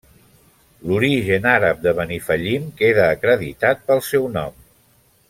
L'origen àrab de Benifallim queda acreditat pel seu nom.